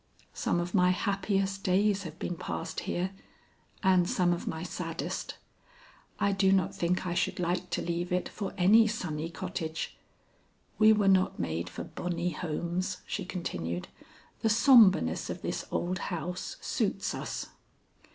"Some of my happiest days have been passed here and some of my saddest. I do not think I should like to leave it for any sunny cottage. We were not made for bonny homes," she continued. "The sombreness of this old house suits us."